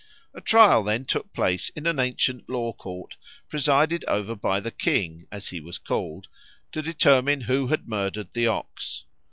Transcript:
A trial then took place in an ancient law court presided over by the King (as he was called) to determine who had murdered the OX.